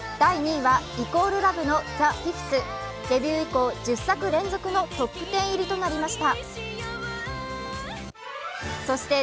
第２位は＝ＬＯＶＥの「Ｔｈｅ５ｔｈ」デビュー以降、１０作連続のトップ１０入りとなりました。